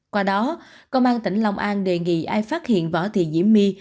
qua đó công an tỉnh lòng an đề nghị ai phát hiện vỏ thị diễm my